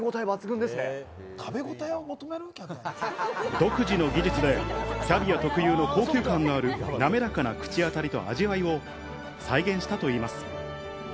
独自の技術でキャビア特有の高級感のある、なめらかな口当たりと味わいを再現したといいます。